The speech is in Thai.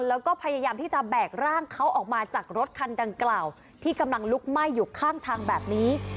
แล้วก็พยายามที่จะแบกร่างเขาออกมาจากรถคันดังกล่าวที่กำลังลุกไหม้อยู่ข้างทางแบบนี้